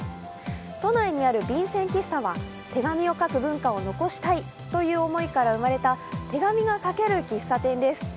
都内にある便箋喫茶は手紙を書く文化を残したいという思いから生まれた手紙が書ける喫茶店です。